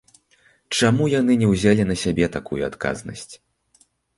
Чаму яны не ўзялі на сябе такую адказнасць?